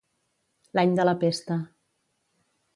L'any de la pesta.